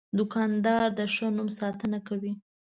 دوکاندار د ښه نوم ساتنه کوي.